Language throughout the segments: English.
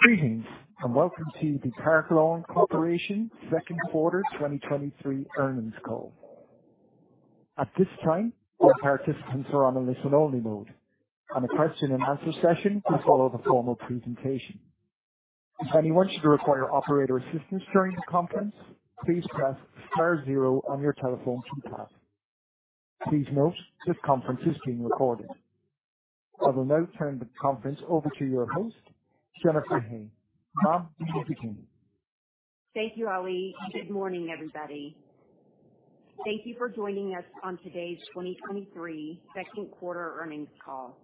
Greetings, welcome to the Park Lawn Corporation Q2 2023 Earnings Call. At this time, all participants are on a listen-only mode, and a question-and-answer session will follow the formal presentation. If anyone should require operator assistance during the conference, please press star zero on your telephone keypad. Please note, this conference is being recorded. I will now turn the conference over to your host, Jennifer Hay. Ma'am, you may begin. Thank you, Ali. Good morning, everybody. Thank you for joining us on today's 2023 Q2 Earnings Call.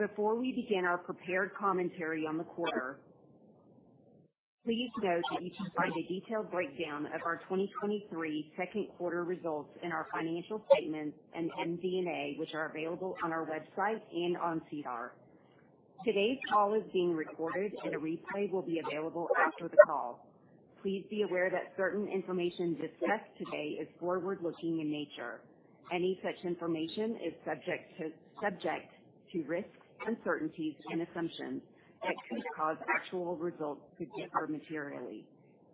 Before we begin our prepared commentary on the quarter, please note that you can find a detailed breakdown of our 2023 Q2 results in our financial statements and MD&A, which are available on our website and on SEDAR. Today's call is being recorded, and a replay will be available after the call. Please be aware that certain information discussed today is forward-looking in nature. Any such information is subject to, subject to risks, uncertainties, and assumptions that could cause actual results to differ materially.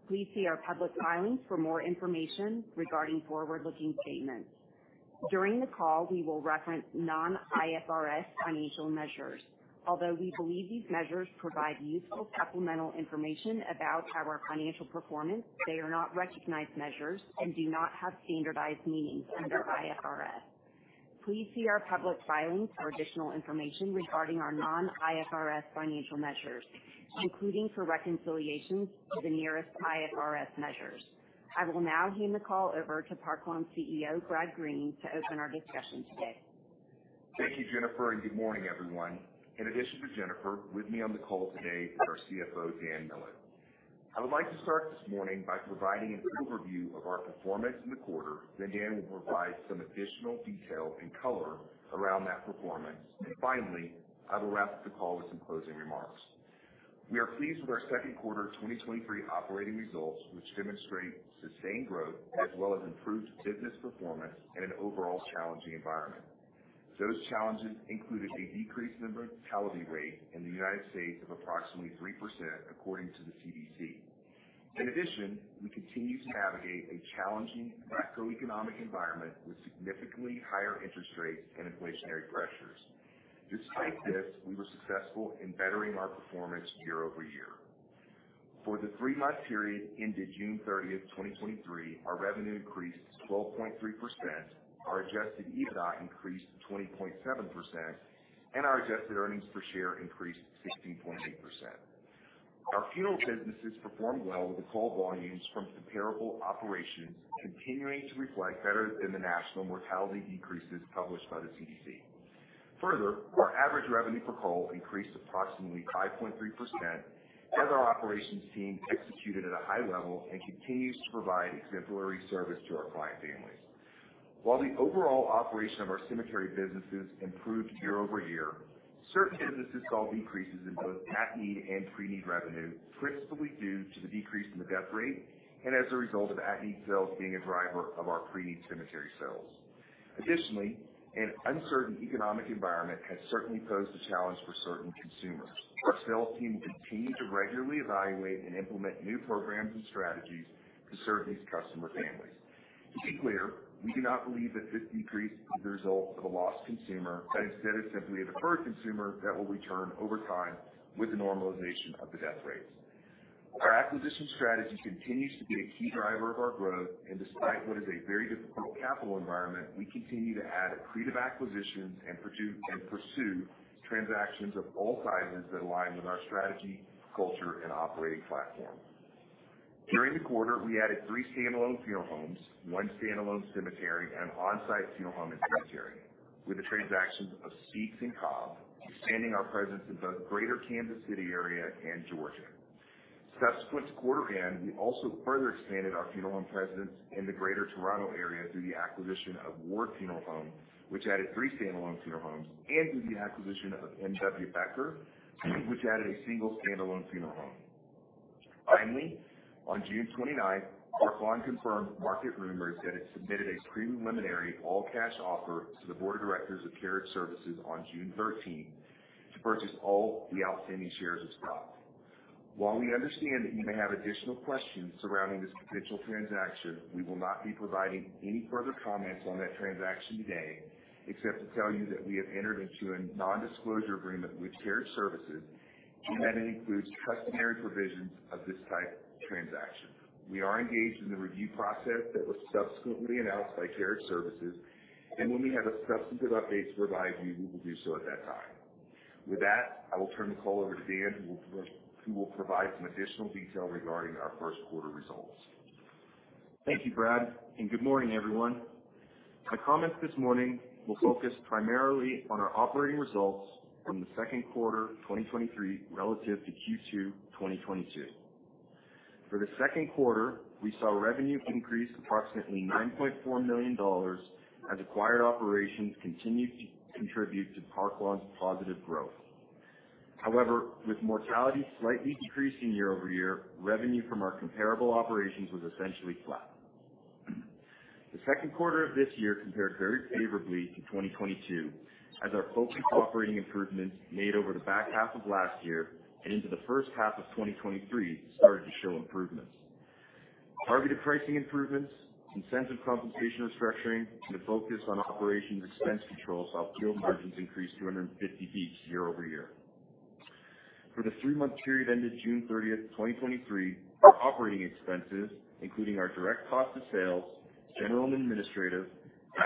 Please see our public filings for more information regarding forward-looking statements. During the call, we will reference non-IFRS financial measures. Although we believe these measures provide useful supplemental information about our financial performance, they are not recognized measures and do not have standardized meanings under IFRS. Please see our public filings for additional information regarding our non-IFRS financial measures, including for reconciliations to the nearest IFRS measures. I will now hand the call over to Park Lawn CEO, Brad Green, to open our discussion today. Thank you, Jennifer. Good morning, everyone. In addition to Jennifer, with me on the call today is our CFO, Dan Millett. I would like to start this morning by providing an overview of our performance in the quarter. Dan will provide some additional detail and color around that performance. Finally, I will wrap up the call with some closing remarks. We are pleased with our Q2 2023 operating results, which demonstrate sustained growth as well as improved business performance in an overall challenging environment. Those challenges included a decreased mortality rate in the United States of approximately 3%, according to the CDC. In addition, we continue to navigate a challenging macroeconomic environment with significantly higher interest rates and inflationary pressures. Despite this, we were successful in bettering our performance year-over-year. For the three-month period ended June 30th, 2023, our revenue increased 12.3%, our Adjusted EBITDA increased 20.7%, and our adjusted earnings per share increased 16.8%. Our funeral businesses performed well, with call volumes from comparable operations continuing to reflect better than the national mortality decreases published by the CDC. Further, our average revenue per call increased approximately 5.3%, as our operations team executed at a high level and continues to provide exemplary service to our client families. While the overall operation of our cemetery businesses improved year-over-year, certain businesses saw decreases in both at-need and pre-need revenue, principally due to the decrease in the death rate and as a result of at-need sales being a driver of our pre-need cemetery sales. Additionally, an uncertain economic environment has certainly posed a challenge for certain consumers. Our sales team will continue to regularly evaluate and implement new programs and strategies to serve these customer families. To be clear, we do not believe that this decrease is a result of a lost consumer, but instead is simply a deferred consumer that will return over time with the normalization of the death rates. Our acquisition strategy continues to be a key driver of our growth, and despite what is a very difficult capital environment, we continue to add accretive acquisitions and pursue transactions of all sizes that align with our strategy, culture, and operating platform. During the quarter, we added three standalone funeral homes, one standalone cemetery, and onsite funeral home and cemetery, with the transactions of Speaks and Cobb, expanding our presence in both Greater Kansas City area and Georgia. Subsequent to quarter end, we also further expanded our funeral home presence in the Greater Toronto area through the acquisition of Ward Funeral Home, which added three standalone funeral homes, and through the acquisition of M.W. Becker, which added a single standalone funeral home. Finally, on June 29th, Park Lawn confirmed market rumors that it submitted a preliminary all-cash offer to the board of directors of Carriage Services on June 13 to purchase all the outstanding shares of stock. While we understand that you may have additional questions surrounding this potential transaction, we will not be providing any further comments on that transaction today, except to tell you that we have entered into a non-disclosure agreement with Carriage Services, and that it includes customary provisions of this type of transaction. We are engaged in the review process that was subsequently announced by Carriage Services. When we have a substantive update to provide you, we will do so at that time. With that, I will turn the call over to Dan, who will provide some additional detail regarding our Q1 results. Thank you, Brad. Good morning, everyone. My comments this morning will focus primarily on our operating results from the Q2 2023 relative to Q2 2022. For the Q2, we saw revenue increase approximately $9.4 million as acquired operations continued to contribute to Park Lawn's positive growth. With mortality slightly decreasing year-over-year, revenue from our comparable operations was essentially flat. The Q2 of this year compared very favorably to 2022, as our focused operating improvements made over the back half of last year and into the H1 of 2023 started to show improvements. Targeted pricing improvements, incentive compensation restructuring, and a focus on operations expense controls helped field margins increase 250 basis points year-over-year. For the three-month period ended June 30th, 2023, our operating expenses, including our direct cost of sales, general and administrative,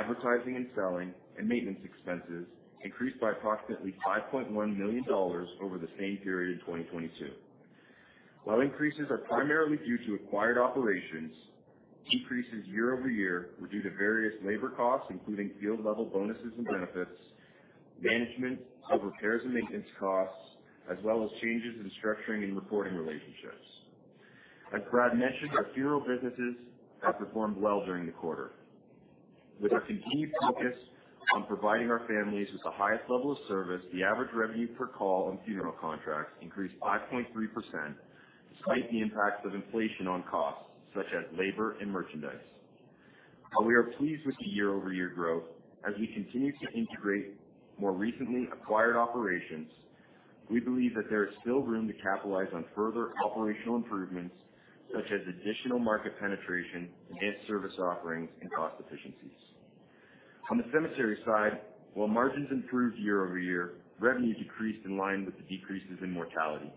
advertising and selling, and maintenance expenses, increased by approximately $5.1 million over the same period in 2022. While increases are primarily due to acquired operations, decreases year-over-year were due to various labor costs, including field-level bonuses and benefits, management over repairs and maintenance costs, as well as changes in structuring and reporting relationships. As Brad mentioned, our funeral businesses have performed well during the quarter. With our continued focus on providing our families with the highest level of service, the average revenue per call on funeral contracts increased 5.3%, despite the impacts of inflation on costs such as labor and merchandise. While we are pleased with the year-over-year growth, as we continue to integrate more recently acquired operations, we believe that there is still room to capitalize on further operational improvements, such as additional market penetration and service offerings and cost efficiencies. On the cemetery side, while margins improved year-over-year, revenue decreased in line with the decreases in mortality.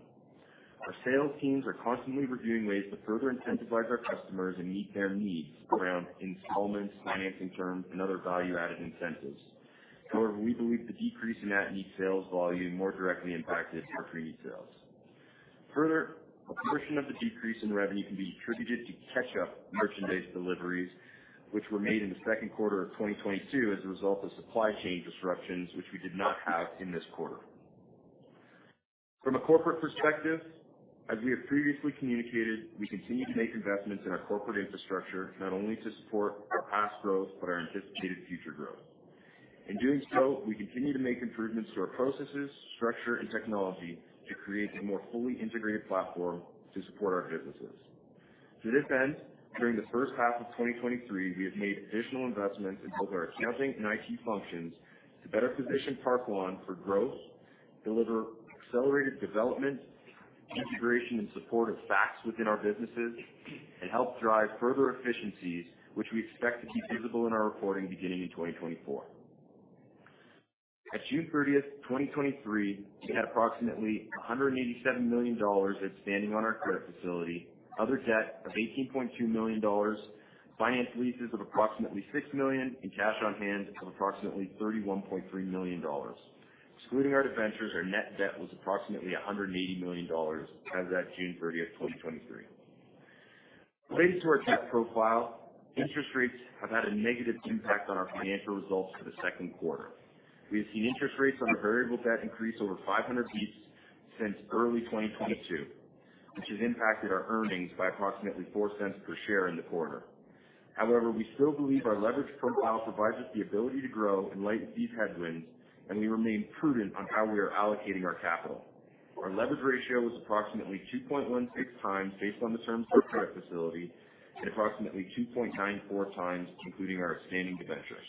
Our sales teams are constantly reviewing ways to further incentivize our customers and meet their needs around installments, financing terms, and other value-added incentives. We believe the decrease in at-need sales volume more directly impacted our pre-need sales. A portion of the decrease in revenue can be attributed to catch-up merchandise deliveries, which were made in the Q2 of 2022 as a result of supply chain disruptions, which we did not have in this quarter. From a corporate perspective, as we have previously communicated, we continue to make investments in our corporate infrastructure, not only to support our past growth, but our anticipated future growth. In doing so, we continue to make improvements to our processes, structure, and technology to create a more fully integrated platform to support our businesses. To this end, during the H1 of 2023, we have made additional investments in both our accounting and IT functions to better position Park Lawn for growth, deliver accelerated development, integration, and support of facts within our businesses, and help drive further efficiencies, which we expect to be visible in our reporting beginning in 2024. At June 30th, 2023, we had approximately $187 million outstanding on our credit facility, other debt of $18.2 million, finance leases of approximately $6 million, and cash on hand of approximately $31.3 million. Excluding our debentures, our net debt was approximately $180 million as of that June 30th, 2023. Related to our debt profile, interest rates have had a negative impact on our financial results for the Q2. We have seen interest rates on variable debt increase over 500 bps since early 2022, which has impacted our earnings by approximately $0.04 per share in the quarter. However, we still believe our leverage profile provides us the ability to grow in light of these headwinds, and we remain prudent on how we are allocating our capital. Our leverage ratio was approximately 2.16 times based on the terms of our credit facility, and approximately 2.94 times including our outstanding debentures.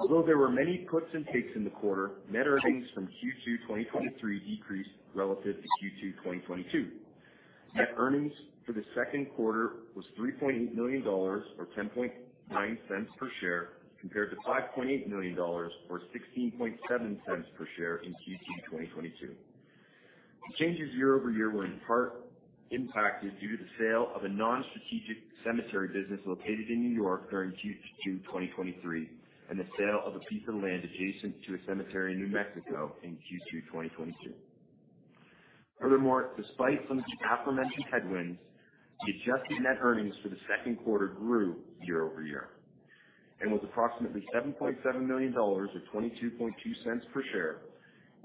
Although there were many puts and takes in the quarter, net earnings from Q2 2023 decreased relative to Q2 2022. Net earnings for the Q2 was 3.8 million dollars, or 0.109 per share, compared to 5.8 million dollars, or 0.167 per share in Q2 2022. The changes year-over-year were in part impacted due to the sale of a non-strategic cemetery business located in New York during Q2 2023, and the sale of a piece of land adjacent to a cemetery in New Mexico in Q3 2022. Furthermore, despite some of the aforementioned headwinds, the adjusted net earnings for the Q2 grew year-over-year and was approximately 7.7 million dollars, or 0.222 per share,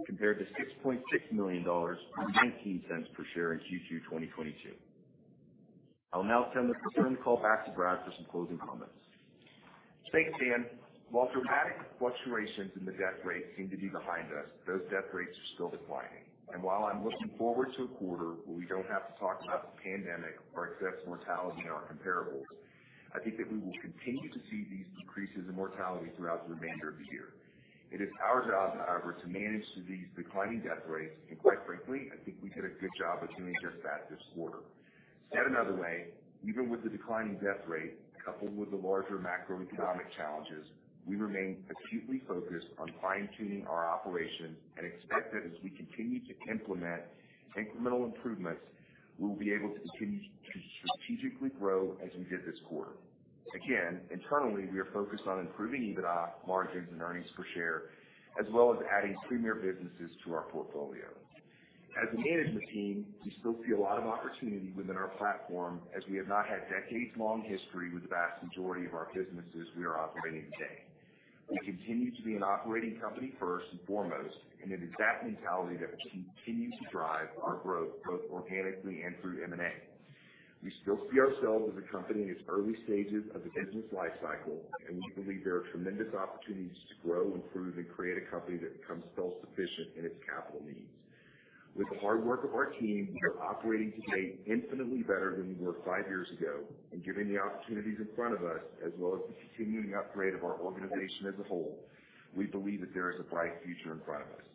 compared to 6.6 million dollars, or 0.19 per share in Q2 2022. I'll now turn the call back to Brad for some closing comments. Thanks, Dan. While dramatic fluctuations in the death rate seem to be behind us, those death rates are still declining. While I'm looking forward to a quarter where we don't have to talk about the pandemic or excess mortality in our comparables, I think that we will continue to see these decreases in mortality throughout the remainder of the year. It is our job, however, to manage to these declining death rates, and quite frankly, I think we did a good job of doing just that this quarter. Said another way, even with the declining death rate, coupled with the larger macroeconomic challenges, we remain acutely focused on fine-tuning our operations and expect that as we continue to implement incremental improvements, we will be able to continue to strategically grow as we did this quarter. Internally, we are focused on improving EBITDA margins and earnings per share, as well as adding premier businesses to our portfolio. As a management team, we still see a lot of opportunity within our platform, as we have not had decades-long history with the vast majority of our businesses we are operating today. We continue to be an operating company first and foremost. It is that mentality that will continue to drive our growth, both organically and through M&A. We still see ourselves as a company in its early stages of the business life cycle. We believe there are tremendous opportunities to grow, improve, and create a company that becomes self-sufficient in its capital needs. With the hard work of our team, we are operating today infinitely better than we were five years ago, and given the opportunities in front of us, as well as the continuing upgrade of our organization as a whole, we believe that there is a bright future in front of us.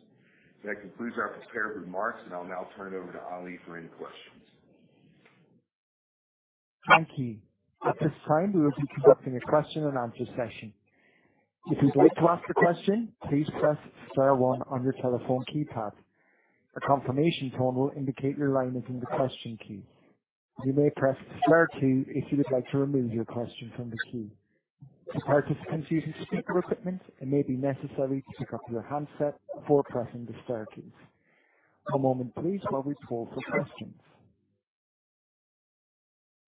That concludes our prepared remarks. I'll now turn it over to Ali for any questions. Thank you. At this time, we will be conducting a question and answer session. If you'd like to ask a question, please press star one on your telephone keypad. A confirmation tone will indicate your line is in the question queue. You may press star 2 if you would like to remove your question from the queue. For participants using speaker equipment, it may be necessary to pick up your handset before pressing the star keys. One moment please, while we poll for questions.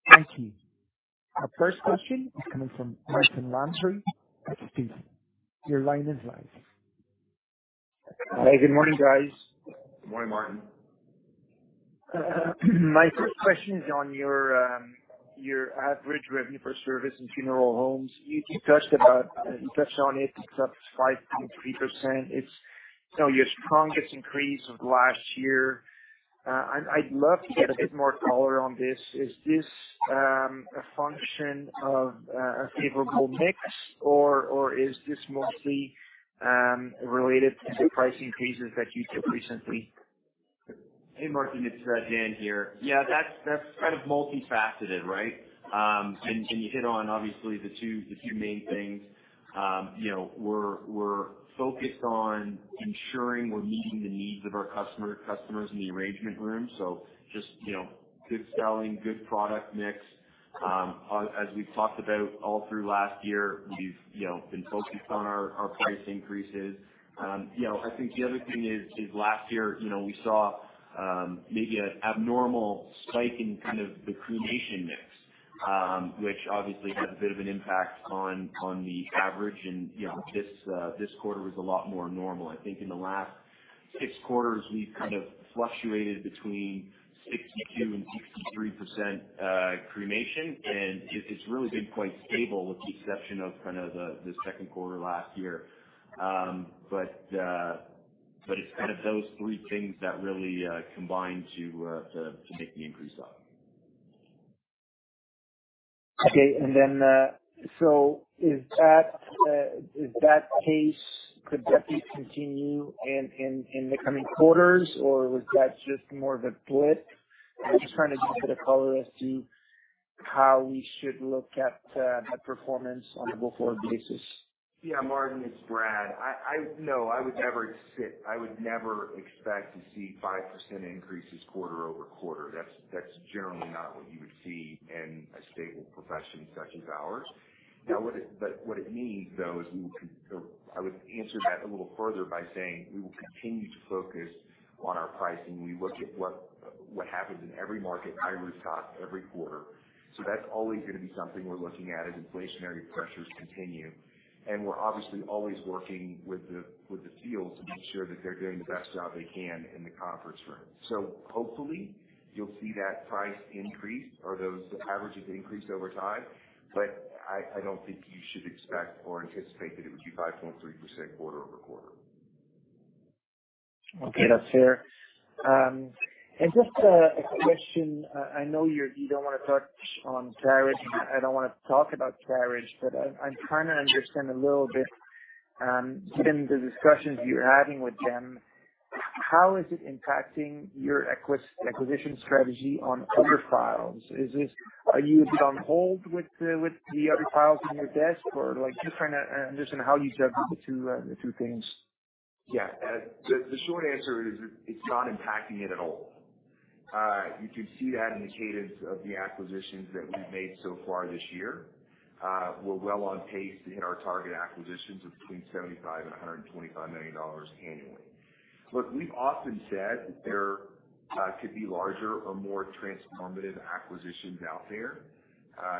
Thank you. Our first question is coming from Martin Landry at Stifel. Your line is live. Hi, good morning, guys. Good morning, Martin. My first question is on your, your average revenue per service in funeral homes. You, you touched about, you touched on it. It's up 5.3%. It's, you know, your strongest increase of last year. I'd, I'd love to get a bit more color on this. Is this, a function of, a favorable mix, or, or is this mostly, related to the price increases that you took recently? Hey, Martin, it's Dan here. Yeah, that's, that's kind of multifaceted, right? You hit on obviously the two, the two main things. You know, we're, we're focused on ensuring we're meeting the needs of our customer, customers in the arrangement room. Just, you know, good selling, good product mix. As we've talked about all through last year, we've, you know, been focused on our, our price increases. You know, I think the other thing is, is last year, you know, we saw, maybe an abnormal spike in kind of the cremation mix, which obviously had a bit of an impact on, on the average. You know, this, this quarter was a lot more normal. I think in the last 6 quarters, we've kind of fluctuated between 62% and 63%, cremation, and it's really been quite stable with the exception of kind of the Q2 last year. It's kind of those three things that really combine to, to, to make the increase up. Okay. Is that case, could that be continue in the coming quarters, or was that just more of a blip? I'm just trying to get a bit of color as to how we should look at that performance on a go-forward basis. Yeah, Martin, it's Brad. No, I would never expect to see 5% increases quarter-over-quarter. That's generally not what you would see in a stable profession such as ours. What it means, though, is I would answer that a little further by saying we will continue to focus on our pricing. We look at what happens in every market, every cost, every quarter. That's always going to be something we're looking at as inflationary pressures continue. We're obviously always working with the field to make sure that they're doing the best job they can in the conference room. Hopefully, you'll see that price increase or those averages increase over time, but I, I don't think you should expect or anticipate that it would be 5.3% quarter-over-quarter. Okay, that's fair. Just a question? I know you're, you don't want to touch on Carriage. I don't want to talk about Carriage, but I, I'm trying to understand a little bit, given the discussions you're having with them, how is it impacting your acquisition strategy on other files? Is this, are you a bit on hold with the, with the other files on your desk or like, just trying to understand how you juggle the two, the two things? Yeah. The, the short answer is, it's not impacting it at all. You can see that in the cadence of the acquisitions that we've made so far this year. We're well on pace to hit our target acquisitions of between 75 million and 125 million dollars annually. Look, we've often said that there could be larger or more transformative acquisitions out there.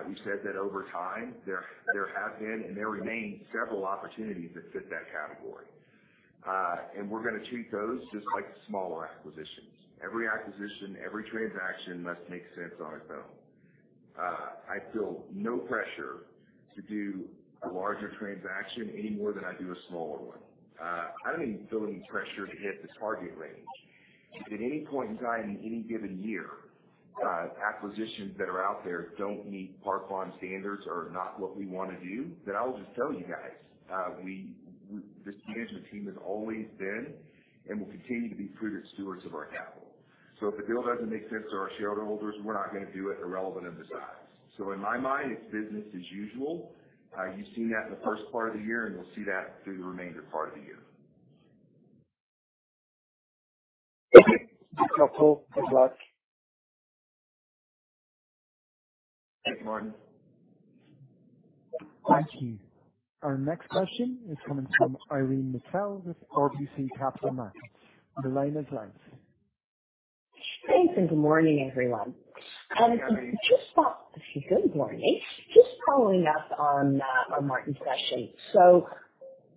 We've said that over time, there, there have been, and there remain several opportunities that fit that category. We're gonna treat those just like smaller acquisitions. Every acquisition, every transaction must make sense on its own. I feel no pressure to do a larger transaction any more than I do a smaller one. I don't even feel any pressure to hit this target range. If at any point in time, in any given year, acquisitions that are out there don't meet Park Lawn standards or are not what we want to do, then I will just tell you guys. We, this management team has always been and will continue to be prudent stewards of our capital. If a deal doesn't make sense to our shareholders, we're not going to do it irrelevant of the size. In my mind, it's business as usual. You've seen that in the first part of the year, and you'll see that through the remainder part of the year. Okay. That's helpful. Good luck. Thanks, Martin. Thank you. Our next question is coming from Irene Nattel with RBC Capital Markets. The line is live. Thanks, good morning, everyone. Good morning. Good morning. Just following up on Martin's question.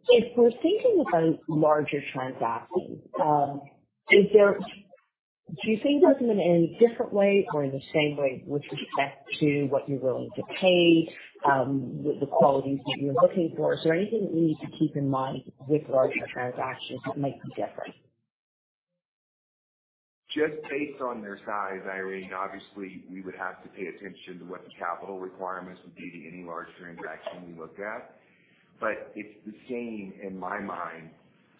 If we're thinking about larger transactions, do you think about them in a different way or in the same way with respect to what you're willing to pay, with the qualities that you're looking for? Is there anything that you need to keep in mind with larger transactions that might be different? Just based on their size, Irene, obviously, we would have to pay attention to what the capital requirements would be to any larger transaction we look at. It's the same in my mind,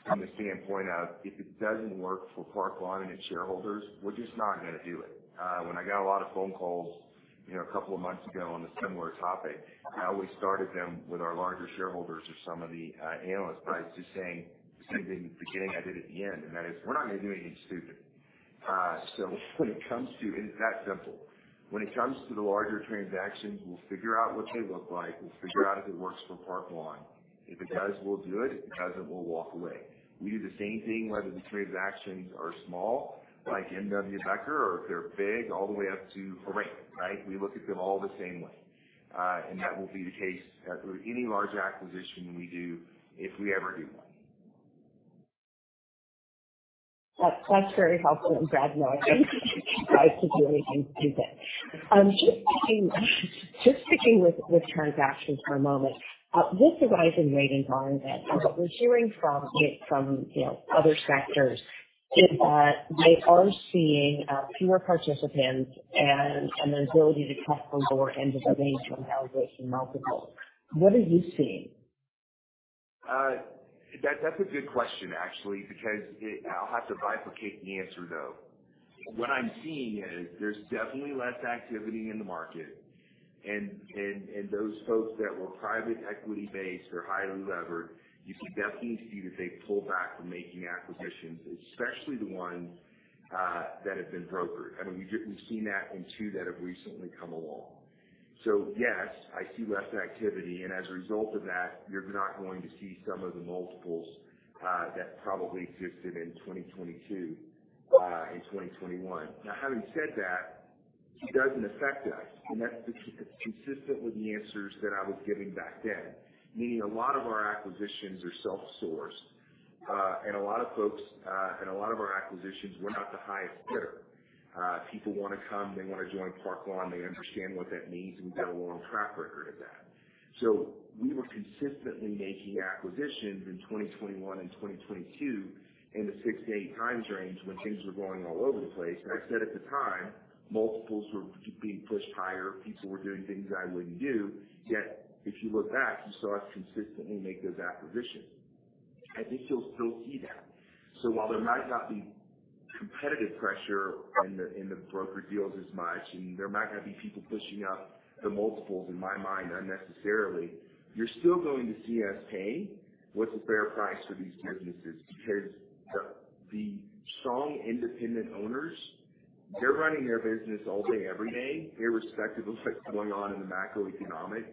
from the standpoint of, if it doesn't work for Park Lawn and its shareholders, we're just not gonna do it. When I got a lot of phone calls, you know, a couple of months ago on a similar topic, I always started them with our larger shareholders or some of the analysts by just saying the same thing at the beginning I did at the end, and that is, we're not gonna do anything stupid. When it comes to. It's that simple. When it comes to the larger transactions, we'll figure out what they look like. We'll figure out if it works for Park Lawn. If it does, we'll do it. If it doesn't, we'll walk away. We do the same thing, whether the transactions are small, like M.W. Becker, or if they're big, all the way up to Horan & McConaty, right? We look at them all the same way. That will be the case with any larger acquisition we do, if we ever do one. That, that's very helpful, and glad to know that you guys didn't do anything stupid. Just sticking with transactions for a moment. This arises in rate environment, and what we're hearing from, you know, other sectors, is that they are seeing fewer participants and an ability to capture lower ends of the range when valuation multiples. What are you seeing? That, that's a good question, actually, because I'll have to bifurcate the answer, though. What I'm seeing is there's definitely less activity in the market. Those folks that were private equity-based or highly levered, you can definitely see that they've pulled back from making acquisitions, especially the ones that have been brokered. I mean, we've, we've seen that in 2 that have recently come along. Yes, I see less activity, and as a result of that, you're not going to see some of the multiples that probably existed in 2022 and 2021. Having said that, it doesn't affect us, and that's consistent with the answers that I was giving back then. Meaning a lot of our acquisitions are self-sourced, and a lot of folks, and a lot of our acquisitions we're not the highest bidder. People want to come, they want to join Park Lawn. They understand what that means, and we've got a long track record of that. We were consistently making acquisitions in 2021 and 2022, in the 6-8x range, when things were going all over the place. I said at the time, multiples were being pushed higher. People were doing things I wouldn't do. Yet, if you look back, you saw us consistently make those acquisitions. I think you'll still see that. While there might not be competitive pressure in the, in the broker deals as much, and there might not be people pushing up the multiples in my mind unnecessarily, you're still going to see us paying what's a fair price for these businesses. Because the, the strong independent owners, they're running their business all day, every day, irrespective of what's going on in the macroeconomic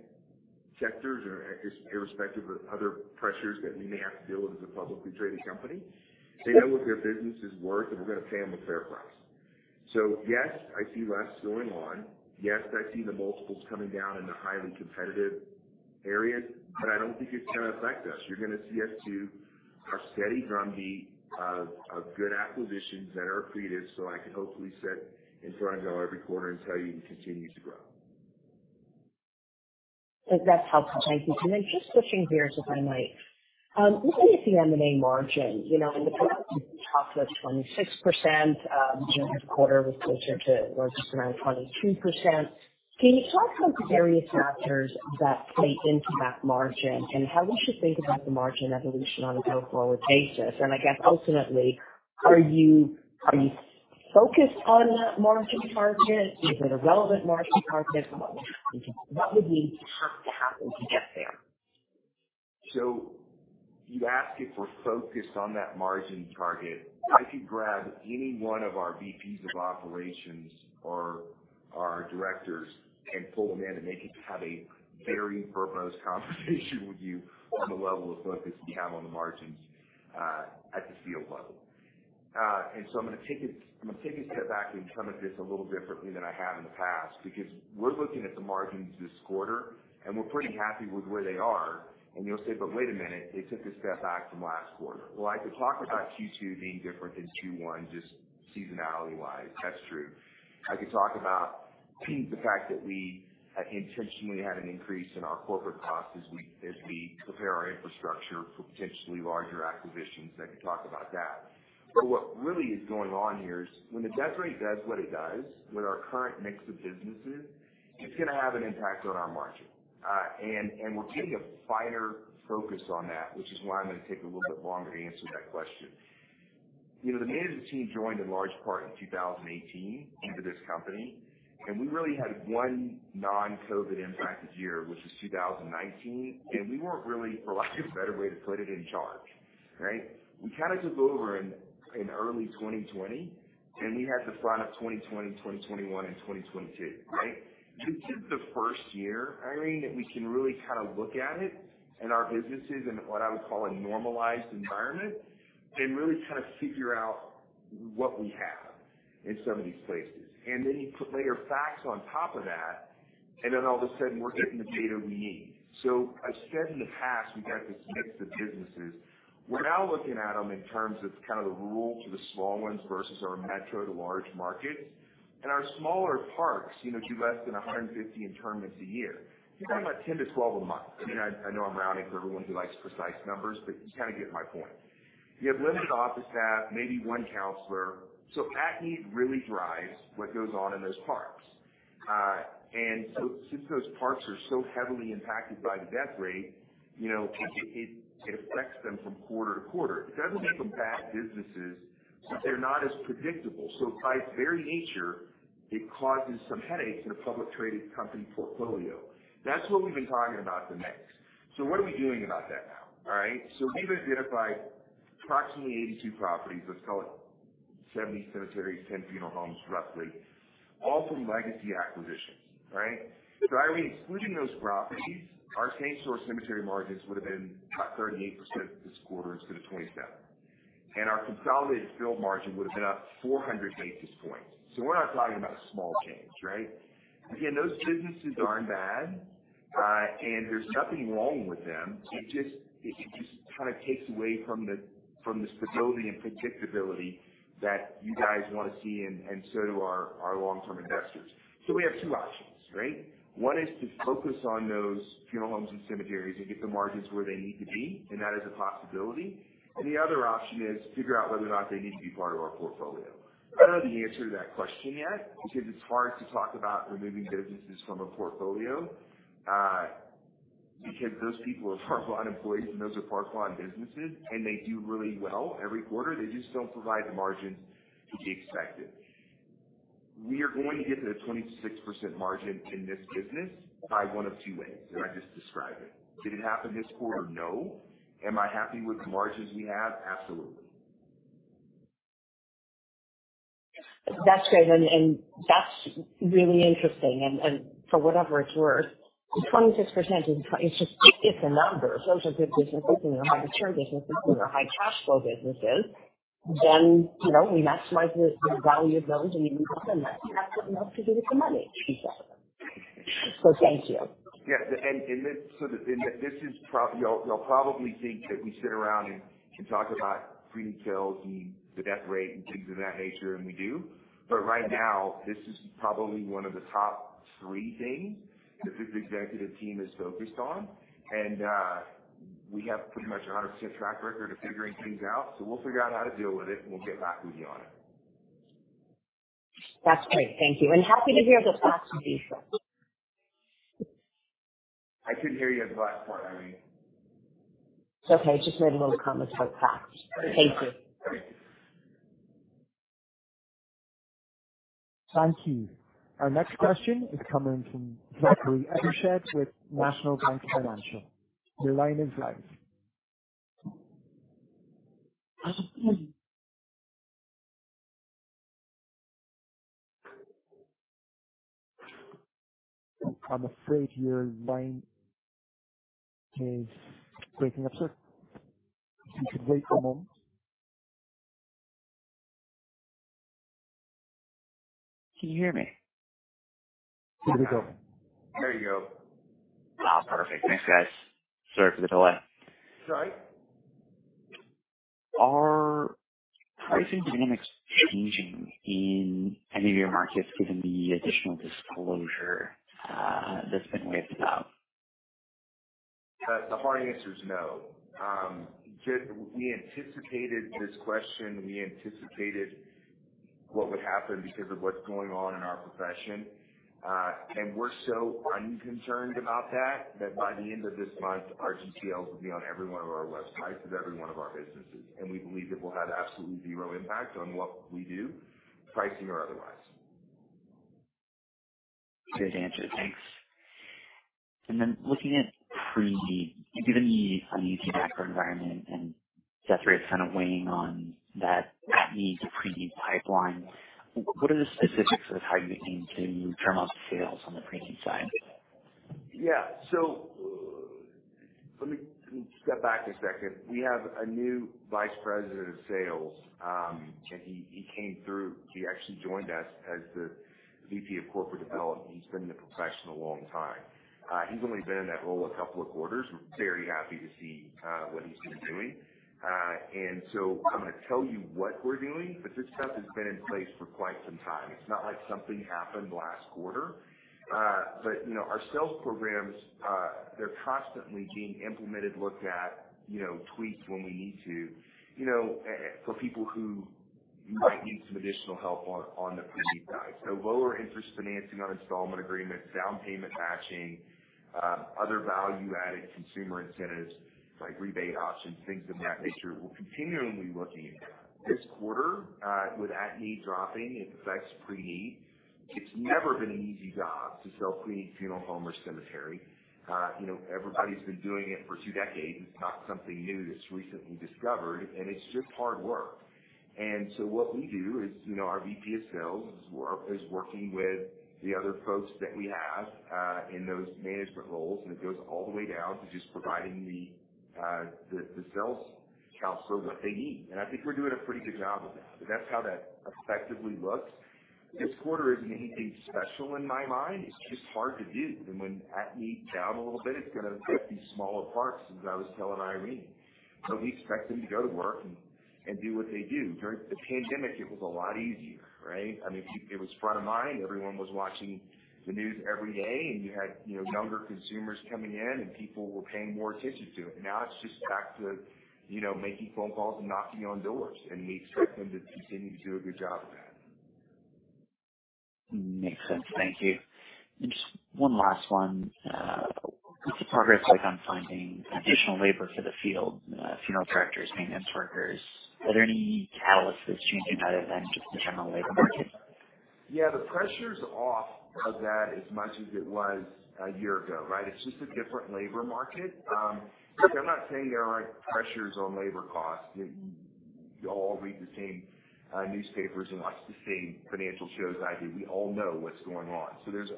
sectors or irrespective of other pressures that we may have to deal with as a publicly traded company. They know what their business is worth, and we're gonna pay them a fair price. Yes, I see less going on. Yes, I see the multiples coming down in the highly competitive areas, but I don't think it's going to affect us. You're gonna see us do our steady drumbeat of, of good acquisitions that are accretive, so I can hopefully sit in front of y'all every quarter and tell you we continue to grow. That's helpful. Thank you. Then just switching gears, if I might. Looking at the M&A margin, you know, in the past, you talked about 26%. During this quarter was closer to or just around 22%. Can you talk about the various factors that play into that margin and how we should think about the margin evolution on a go-forward basis? I guess ultimately, are you, are you focused on that margin target? Is it a relevant margin target? What would need to have to happen to get there? You asked if we're focused on that margin target. I could grab any one of our VPs of Operations or our directors and pull them in, and they could have a very verbose conversation with you on the level of focus we have on the margins at the field level. I'm gonna take a step back and come at this a little differently than I have in the past, because we're looking at the margins this quarter, and we're pretty happy with where they are. You'll say, "But wait a minute, they took a step back from last quarter." Well, I could talk about Q2 being different than Q1, just seasonality wise. That's true. I could talk about the fact that we intentionally had an increase in our corporate costs as we, as we prepare our infrastructure for potentially larger acquisitions. I could talk about that. What really is going on here is when the death rate does what it does, with our current mix of businesses, it's gonna have an impact on our margin. And, and we're keeping a finer focus on that, which is why I'm gonna take a little bit longer to answer that question. You know, the management team joined in large part in 2018, into this company, and we really had one non-COVID impacted year, which was 2019, and we weren't really, for lack of a better way to put it, in charge. Right? We kind of took over in, in early 2020, and we had the fun of 2020, 2021 and 2022, right? This is the first year, Irene, that we can really kind of look at it and our businesses in what I would call a normalized environment, and really kind of figure out what we have in some of these places. Then you put layer in facts on top of that. Then all of a sudden, we're getting the data we need. I've said in the past, we've got this mix of businesses. We're now looking at them in terms of kind of the rural to the small ones versus our metro to large markets. Our smaller parks, you know, do less than 150 internments a year. You're talking about 10-12 a month. I mean, I, I know I'm rounding for everyone who likes precise numbers, but you kind of get my point. You have limited office staff, maybe one counselor. at-need really drives what goes on in those parks. since those parks are so heavily impacted by the death rate, you know, it, it, it affects them from quarter to quarter. It doesn't make them bad businesses, but they're not as predictable. by its very nature, it causes some headaches in a public-traded company portfolio. That's what we've been talking about the mix. what are we doing about that now? All right. we've identified approximately 82 properties. Let's call it 70 cemeteries, 10 funeral homes, roughly, all from legacy acquisitions. Right? had we excluded those properties, our same-source cemetery margins would have been up 38% this quarter instead of 27. Our consolidated field margin would have been up 400 basis points. We're not talking about a small change, right? Again, those businesses aren't bad, and there's nothing wrong with them. It just, it just kind of takes away from the, from the stability and predictability that you guys want to see and, and so do our, our long-term investors. We have 2 options, right? 1 is to focus on those funeral homes and cemeteries and get the margins where they need to be, and that is a possibility. The other option is figure out whether or not they need to be part of our portfolio. I don't know the answer to that question yet, because it's hard to talk about removing businesses from a portfolio, because those people are Park Lawn employees, and those are Park Lawn businesses, and they do really well every quarter. They just don't provide the margins we expected. We are going to get to the 26% margin in this business by one of two ways, that I just described it. Did it happen this quarter? No. Am I happy with the margins we have? Absolutely. That's great, and that's really interesting. For whatever it's worth, the 26% is it's just, it's a number. Those are good businesses, and they're high-return businesses, they're high-cash flow businesses. You know, we maximize the, the value of those, and we move on, and that's what we have to do with the money. Thank you. Yes, and then, Y'all, y'all probably think that we sit around and, and talk about pre-need sales and the death rate and things of that nature, and we do. Right now, this is probably 1 of the top 3 things that this executive team is focused on. We have pretty much a 100% track record of figuring things out, so we'll figure out how to deal with it, and we'll get back with you on it. That's great. Thank you, and happy to hear the thoughts of these folks. I couldn't hear your last part, Irene. It's okay. Just made a little comment about facts. Thank you. Thank you. Our next question is coming from Zachary Evershed with National Bank Financial. Your line is live. I'm afraid your line is breaking up, sir. If you could wait one moment. Can you hear me? There we go. There you go. Perfect. Thanks, guys. Sorry for the delay. It's all right. Are pricing dynamics changing in any of your markets given the additional disclosure, that's been waived out? The, the hard answer is no. Given... We anticipated this question, we anticipated what would happen because of what's going on in our profession. We're so unconcerned about that, that by the end of this month, our GPLs will be on every one of our websites of every one of our businesses. We believe it will have absolutely zero impact on what we do, pricing or otherwise. Great answer. Thanks. And then looking at pre-need, given the unique macro environment and death rates kind of weighing on that at-need to pre-need pipeline, what are the specifics of how you're looking to turn up sales on the pre-need side? Yeah. Let me, let me step back 1 second. We have a new VP of Sales, and he, he came through... He actually joined us as the VP of Corporate Development. He's been in the profession a long time. He's only been in that role 2 quarters. We're very happy to see what he's been doing. I'm gonna tell you what we're doing, but this stuff has been in place for quite some time. It's not like something happened last quarter. You know, our sales programs, they're constantly being implemented, looked at, you know, tweaked when we need to, you know, and for people who might need some additional help on, on the pre-need side. Lower interest financing on installment agreements, down payment matching, other value-added consumer incentives like rebate options, things of that nature. We're continually looking at that. This quarter, with at-need dropping, it affects pre-need. It's never been an easy job to sell pre-need funeral home or cemetery. You know, everybody's been doing it for two decades. It's not something new that's recently discovered, and it's just hard work. So what we do is, you know, our VP of Sales is working with the other folks that we have in those management roles, and it goes all the way down to just providing the, the sales counsel what they need, and I think we're doing a pretty good job of that. That's how that effectively looks. This quarter isn't anything special in my mind. It's just hard to do. When at-need is down a little bit, it's gonna affect these smaller parts, as I was telling Irene. We expect them to go to work and do what they do. During the pandemic, it was a lot easier, right? I mean, it was front of mind. Everyone was watching the news every day, and you had, you know, younger consumers coming in, and people were paying more attention to it. Now it's just back to, you know, making phone calls and knocking on doors, and we expect them to continue to do a good job of that. Makes sense. Thank you. Just one last one. What's the progress like on finding additional labor for the field, funeral directors, maintenance workers? Are there any catalysts that's changing that other than just the general labor market? Yeah, the pressure's off of that as much as it was a year ago, right? It's just a different labor market. Look, I'm not saying there aren't pressures on labor costs. You, you all read the same newspapers and watch the same financial shows I do. We all know what's going on. There's,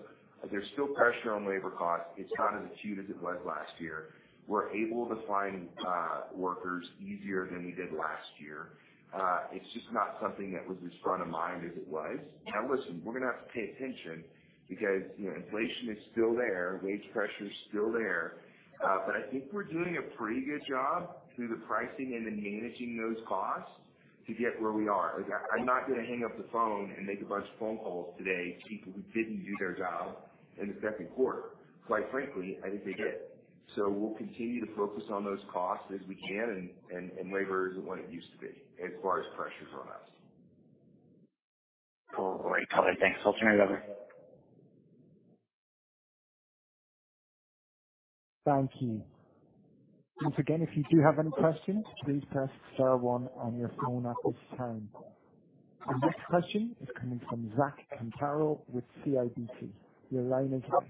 there's still pressure on labor costs. It's not as acute as it was last year. We're able to find workers easier than we did last year. It's just not something that was as front of mind as it was. Now, listen, we're gonna have to pay attention because, you know, inflation is still there, wage pressure is still there. I think we're doing a pretty good job through the pricing and the managing those costs to get where we are. Like, I, I'm not gonna hang up the phone and make a bunch of phone calls today to people who didn't do their job in the Q2. Quite frankly, I think they did. We'll continue to focus on those costs as we can and, and, and labor isn't what it used to be as far as pressure on us. Great, Color. Thanks. I'll turn it over. Thank you. Once again, if you do have any questions, please press star one on your phone at this time. This question is coming from John Zamparo with CIBC. Your line is open.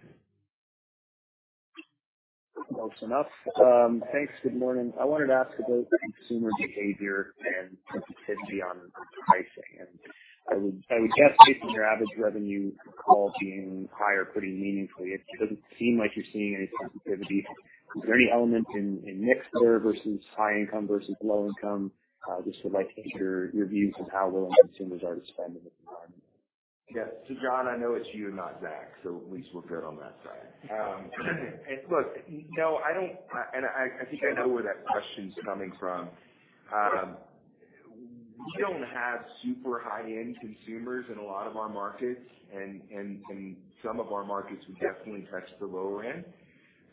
Close enough. Thanks. Good morning. I wanted to ask about consumer behavior and sensitivity on pricing. I would, I would guess, based on your average revenue per call being higher, pretty meaningfully, it doesn't seem like you're seeing any sensitivity. Is there any element in, in mix there versus high income versus low income? Just would like to hear your views of how willing consumers are to spend in this environment. Yeah. John, I know it's you, not Zach, so at least we're good on that front. Look, no, I don't, and I, I think I know where that question's coming from. We don't have super high-end consumers in a lot of our markets, and some of our markets, we definitely touch the low end.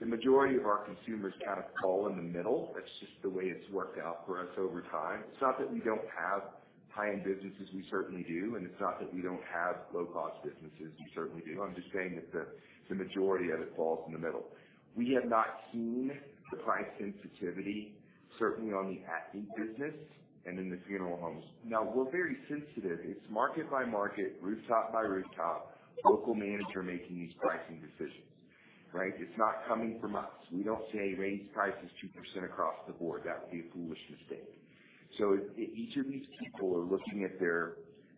The majority of our consumers kind of fall in the middle. That's just the way it's worked out for us over time. It's not that we don't have high-end businesses, we certainly do, and it's not that we don't have low-cost businesses, we certainly do. I'm just saying that the majority of it falls in the middle. We have not seen the price sensitivity, certainly on the at-need business and in the funeral homes. Now, we're very sensitive. It's market by market, rooftop by rooftop, local manager making these pricing decisions, right? It's not coming from us. We don't say, "Raise prices 2% across the board." That would be a foolish mistake. Each of these people are looking at their,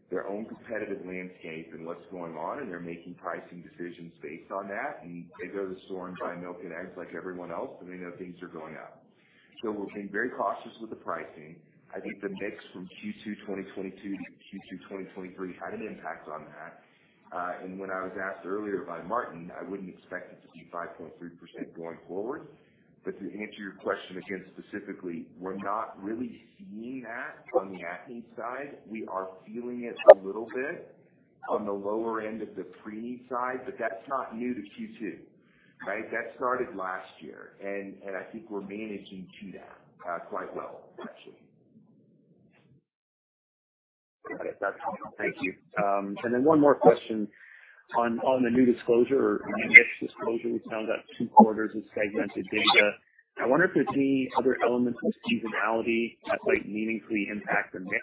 their own competitive landscape and what's going on, and they're making pricing decisions based on that. And they go to the store and buy milk and eggs like everyone else, and they know things are going up. We're being very cautious with the pricing. I think the mix from Q2 2022 to Q2 2023 had an impact on that. And when I was asked earlier by Martin, I wouldn't expect it to be 5.3% going forward. But to answer your question again, specifically, we're not really seeing that on the at-need side. We are feeling it a little bit on the lower end of the pre-need side, but that's not new to Q2, right? That started last year, and I think we're managing to that quite well, actually. Got it. That's helpful. Thank you. One more question on, on the new disclosure or the mix disclosure, which now we've got 2 quarters of segmented data. I wonder if there's any other elements of seasonality that might meaningfully impact the mix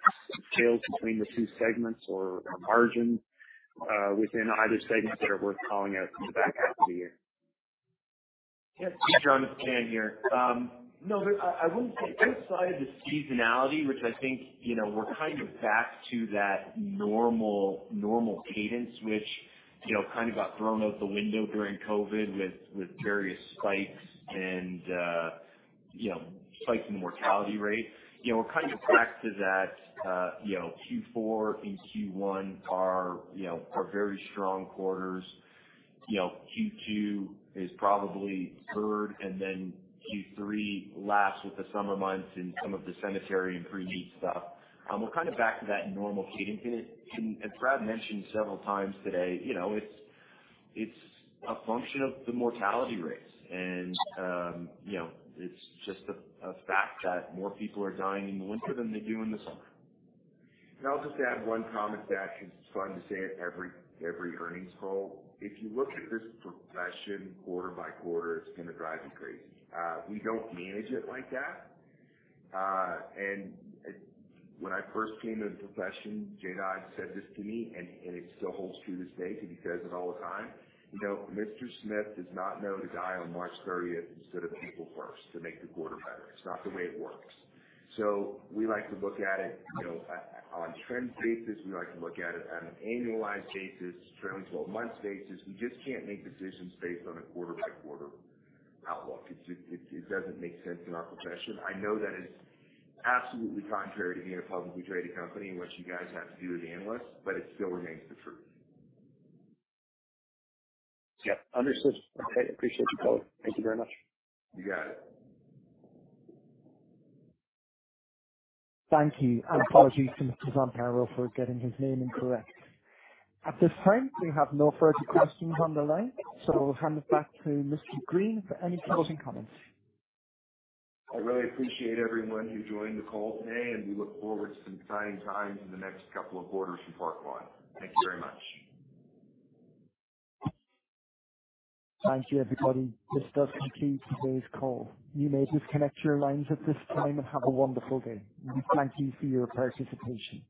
tails between the two segments or, or margins, within either segment that are worth calling out in the back half of the year? Yeah, hey, John, it's Dan here. No, but I, I wouldn't say outside of the seasonality, which I think, you know, we're kind of back to that normal, normal cadence, which, you know, kind of got thrown out the window during COVID with, with various spikes and, you know, spikes in mortality rate. You know, we're kind of back to that, you know, Q4 and Q1 are, you know, are very strong quarters. You know, Q2 is probably third, and then Q3 lasts with the summer months and some of the cemetery and pre-need stuff. We're kind of back to that normal cadence. It, and as Brad mentioned several times today, you know, it's, it's a function of the mortality rates. You know, it's just a, a fact that more people are dying in the winter than they do in the summer. I'll just add one comment, Zach, it's fun to say it every, every earnings call. If you look at this profession quarter by quarter, it's gonna drive you crazy. We don't manage it like that. When I first came to the profession, Jay Dodds said this to me, and, and it still holds true to this day, because he says it all the time: "You know, Mr. Smith is not known to die on March thirtieth instead of April first to make the quarter better." It's not the way it works. We like to look at it, you know, on a trend basis. We like to look at it on an annualized basis, trailing 12-month basis. We just can't make decisions based on a quarter-by-quarter outlook. It doesn't make sense in our profession. I know that it's absolutely contrary to being a publicly traded company and what you guys have to do as analysts, but it still remains the truth. Yep. Understood. Okay, appreciate you, call-in. Thank you very much. You got it. Thank you, and apologies to Mr. Zamparo for getting his name incorrect. At this time, we have no further questions on the line, so I'll hand it back to Mr. Green for any closing comments. I really appreciate everyone who joined the call today. We look forward to some exciting times in the next couple of quarters from Park Lawn. Thank you very much. Thank you, everybody. This does conclude today's call. You may disconnect your lines at this time and have a wonderful day. We thank you for your participation.